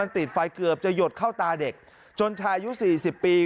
ติดไฟเกือบจะหยดเข้าตาเด็กจนชายอายุ๔๐ปี